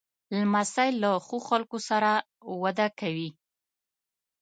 لمسی له ښو خلکو سره وده کوي.